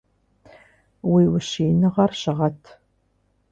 Уи ущииныгъэр щыгъэт!